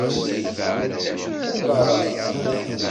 D tabareɣt.